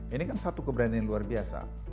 ini kan satu keberanian luar biasa